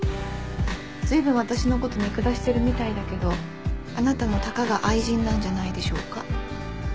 随分私の事見下してるみたいだけどあなたもたかが愛人なんじゃないでしょうか？